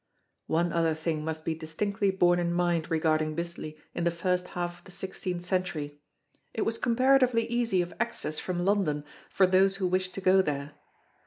One other thing must be distinctly borne in mind regarding Bisley in the first half of the sixteenth century; it was comparatively easy of access from London for those who wished to go there.